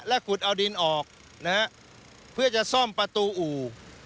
ขุดเอาดินออกนะฮะเพื่อจะซ่อมประตูอู่